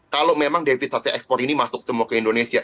kalau memang devisasi ekspor ini masuk semua ke indonesia